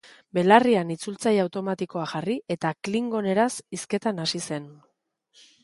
Belarrian itzultzaile automatikoa jarri eta klingoneraz hizketan hasi zen.